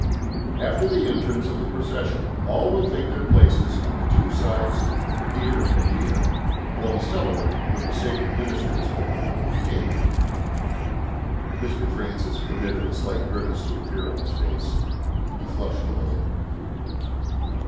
"After the entrance of the procession all will take their places on these two sides here and here while the celebrant with the sacred ministers " "Eh?" Mr. Francis permitted a slight grimace to appear on his face; he flushed a little.